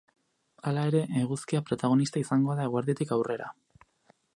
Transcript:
Hala ere, eguzkia protagonista izango da eguerditik aurrera.